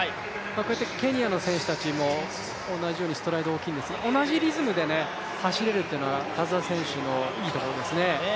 こうやってケニアの選手たちも同じようにストライドが大きいんですけども同じリズムで走れるというのは田澤選手のいいところですね。